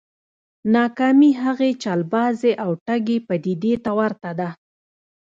ناکامي هغې چلبازې او ټګې پديدې ته ورته ده.